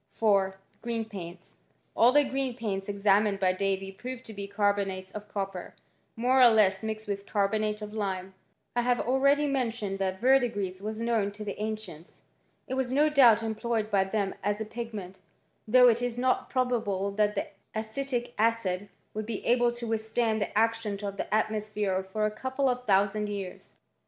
' 4. Oreen paints. All the green paints examined by Davy proved to be carbonates of copper, more or less mixed with carbonate of lime. I have already men* tioned that verdigris was known to the ancients. It was no doubt employed by them as a pigment, though it is not probable that the acetic acid would be able to withstand the action of the atmosphere for a couple of thousand years.